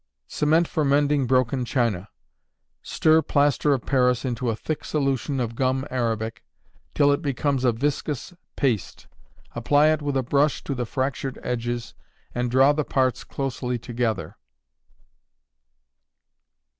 Cement for Mending Broken China. Stir plaster of Paris into a thick solution of gum arabic, till it becomes a viscous paste. Apply it with a brush to the fractured edges, and draw the parts closely together.